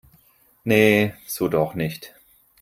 Nee, so doch nicht